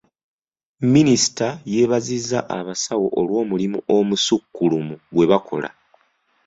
Minisita yeebazizza abasawo olw'omulimu omusukkulumu gwe bakola.